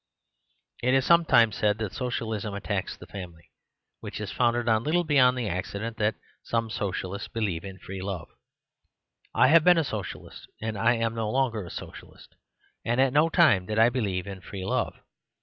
It is sometimes said that Socialism attacks the family ; which is founded on little beyond the accident that some Socialists believe in free love. I have been a Socialist, and I am no longer a Socialist, and at no time did I believe in free love.